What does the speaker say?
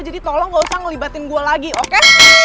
jadi tolong nggak usah ngelibatin gue lagi oke